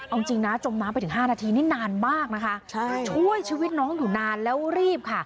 เอาจริงนะจมน้ำไปถึง๕นาทีนี่นานมากนะคะช่วยชีวิตน้องอยู่นานแล้วรีบค่ะ